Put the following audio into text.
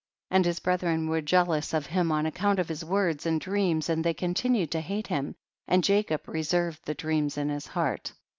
17. And his brethren were jealous of him on account of his words and dreams, and they continued to hate him, and Jacob reserved the dreams in his heart.